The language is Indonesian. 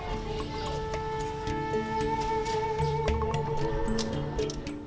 orang orang merupakan suami